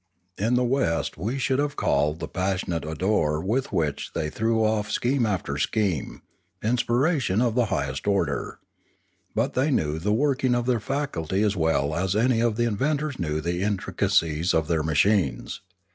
In the West we should have called the passionate ardour with which they threw off scheme after scheme, inspiration of the high est order. But they knew the working of their faculty as well as any of the inventors knew the intricacies of their machines.